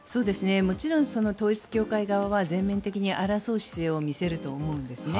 もちろん統一教会側は全面的に争う姿勢を見せると思うんですね。